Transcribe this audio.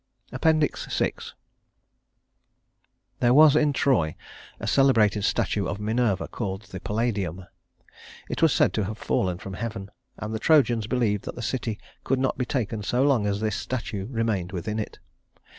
VI There was in Troy a celebrated statue of Minerva called the Palladium. It was said to have fallen from heaven, and the Trojans believed that the city could not be taken so long as this statue remained within it.